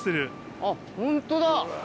あっホントだ。